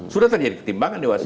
sudah terjadi ketimpangan di wasit